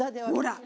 ほら！